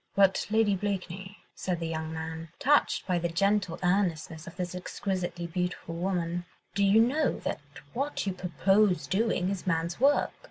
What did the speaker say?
"But, Lady Blakeney," said the young man, touched by the gentle earnestness of this exquisitely beautiful woman, "do you know that what you propose doing is man's work?